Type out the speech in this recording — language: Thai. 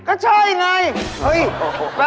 ก็ใช่อย่างไร